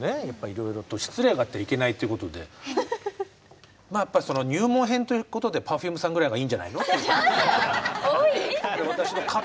やっぱりいろいろと失礼があってはいけないということでまあやっぱりその入門編ということでＰｅｒｆｕｍｅさんぐらいがいいんじゃないのと。